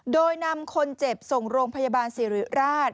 โดยนำคนเจ็บส่งโรงพยาบาลสิริราช